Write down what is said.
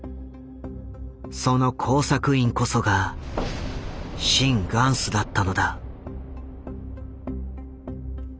その工作員こそが「シン・グァンス」だったのだ。